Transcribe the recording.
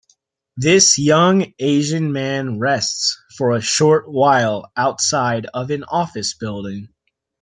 This young Asian man rests for a short while outside of an office building.